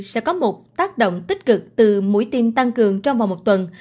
sẽ có một tác động tích cực từ mũi tiêm tăng cường trong vòng một tuần